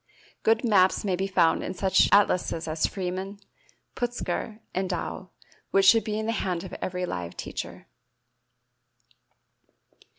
Good maps may be found in such atlases as Freeman, Putzger, and Dow, which should be in the hands of every live teacher.